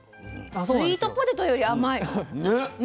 スイートポテトより甘い。ね。